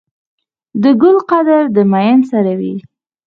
د ګل قدر د ميئن سره وي.